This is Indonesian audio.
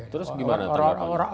terus gimana tanggapannya